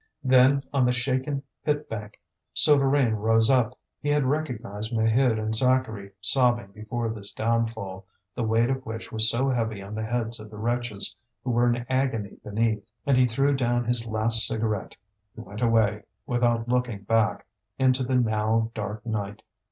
Then on the shaken pit bank Souvarine rose up. He had recognized Maheude and Zacharie sobbing before this downfall, the weight of which was so heavy on the heads of the wretches who were in agony beneath. And he threw down his last cigarette; he went away, without looking back, into the now dark night.